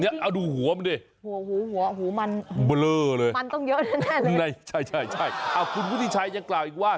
เนี่ยเอาดูหัวมันดิหัวหามันเบลอเลยมันต้องเยอะแน่เลยใช่คุณพุทธิชัยยังกล่าวอีกว่า